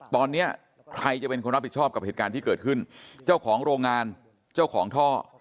ตอนนี้ใครจะเป็นคนรับผิดชอบกับเหตุการณ์ที่เกิดขึ้นเจ้าของโรงงานเจ้าของท่อ